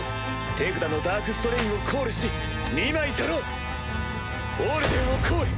手札のダークストレインをコールし２枚ドロー！オールデンをコール！